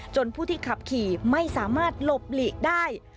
ผู้ที่ขับขี่ไม่สามารถหลบหลีกได้